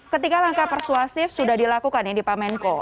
ketika langkah persuasif sudah dilakukan ini pak menko